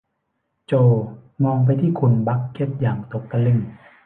โจมองไปที่คุณบักเก็ตอย่างตกตะลึง